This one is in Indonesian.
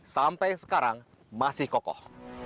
sampai sekarang masih kokoh